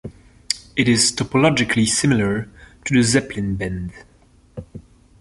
It is topologically similar to the Zeppelin bend.